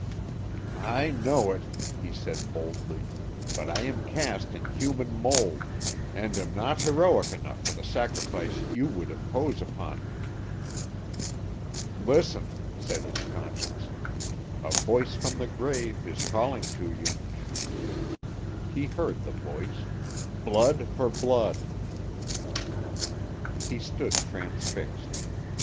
"I know it," he said boldly, "but I am cast in human mould, and am not heroic enough for the sacrifice you would impose upon me." "Listen," said his conscience, "a voice from the grave is calling to you." He heard the voice: "Blood for Blood." He stood transfixed.